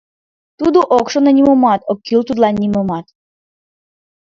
Тудо ок шоно нимомат, ок кӱл тудлан нимомат